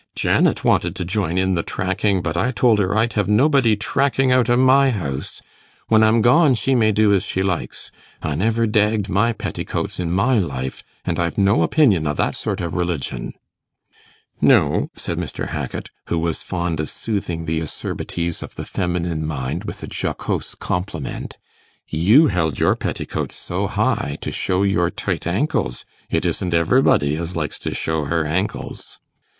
Janet wanted to join in the tracking, but I told her I'd have nobody tracking out o' my house; when I'm gone, she may do as she likes. I never dagged my petticoats in my life, and I've no opinion o' that sort o' religion.' 'No,' said Mr. Hackit, who was fond of soothing the acerbities of the feminine mind with a jocose compliment, 'you held your petticoats so high, to show your tight ankles: it isn't everybody as likes to show her ankles.